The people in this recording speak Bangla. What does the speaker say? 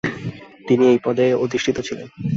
তিনি এই পদেই অধিষ্ঠিত ছিলেন।